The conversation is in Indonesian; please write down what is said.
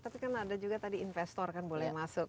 tapi kan ada juga tadi investor kan boleh masuk